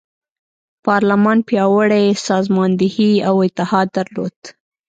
پارلمان پیاوړې سازماندهي او اتحاد درلود.